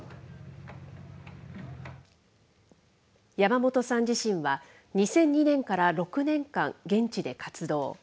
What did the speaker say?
山本さん自身は、２００２年から６年間、現地で活動。